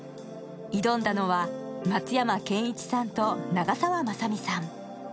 挑んだのは松山ケンイチさんと長澤まさみさん。